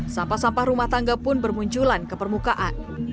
sampah sampah rumah tangga pun bermunculan ke permukaan